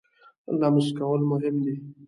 لمس کول مهم دی.